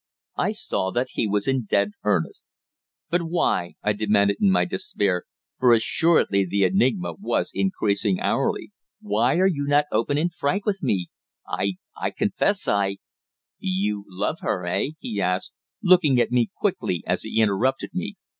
I saw that he was in dead earnest. "But why?" I demanded in my despair, for assuredly the enigma was increasing hourly. "Why are you not open and frank with me? I I confess I " "You love her, eh?" he asked, looking at me quickly as he interrupted me.